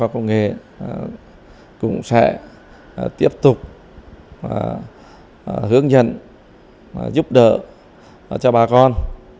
công nghệ cũng sẽ tiếp tục hướng dẫn giúp đỡ cho bà con